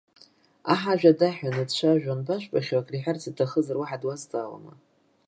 Аҳ ажәа даҳәаны дцәажәо анбажәбахьоу, акриҳәарц иҭахызар уара дуазҵаауама?